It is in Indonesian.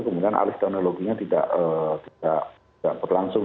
kemudian alih teknologinya tidak berlangsung